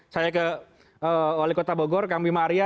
saya ke wali kota bogor kang bima arya